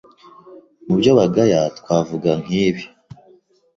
Mu byo bagaya twavuga nk’ibi: